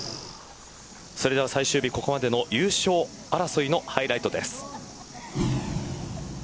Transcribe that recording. それでは最終日、ここまでの優勝争いのハイライトです。